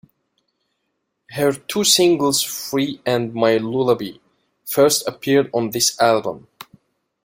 Her two singles "Free" and "My Lullaby" first appeared on this album.